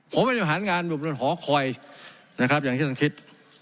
ผมไม่ได้บริหารงานแบบหอคอยนะครับอย่างที่ท่านคิด